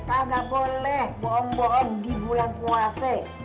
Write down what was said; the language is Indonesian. kagak boleh bong bong di bulan puas